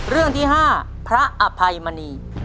เรื่องที่๕พระอภัยมณี